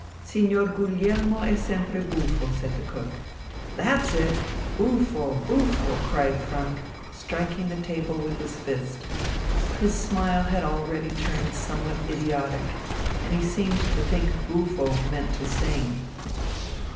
"Signor Guglielmo è sempre buffo," said the cook. "That's it buffo, buffo," cried Franck, striking the table with his fist. His smile had already turned somewhat idiotic, and he seemed to think "buffo" meant "to sing."